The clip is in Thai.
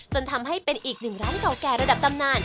จนทำให้เป็นอีกหนึ่งร้านเก่าแก่ระดับตำนาน